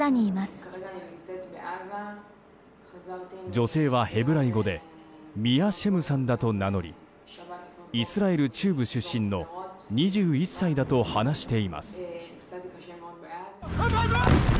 女性はヘブライ語でミア・シェムさんだと名乗りイスラエル中部出身の２１歳だと話しています。